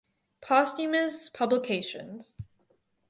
Posthumous publications